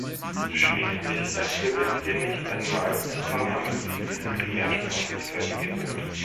Schließlich erfüllen wir nicht einmal im Parlament dieses Mehrsprachigkeitsgebot.